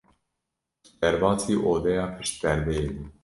Derbasî odeya pişt perdeyê bû.